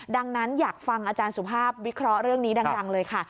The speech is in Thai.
ดังนั้นอยากฟังอาจารย์สุภาพวิเคราะห์เรื่องนี้ดังเลยค่ะ